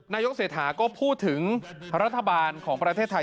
นายกเศรษฐาก็พูดถึงรัฐบาลของประเทศไทย